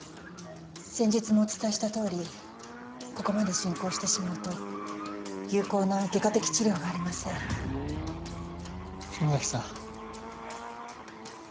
先日もお伝えしたとおりここまで進行してしまうと有効な外科的治療がありません嶋崎さん